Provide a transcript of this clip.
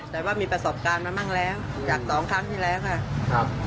แต่ว่ามีประสบการณ์มาบ้างแล้วจากสองครั้งที่แล้วค่ะครับ